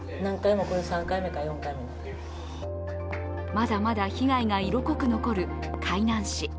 まだまだ被害が色濃く残る海南市。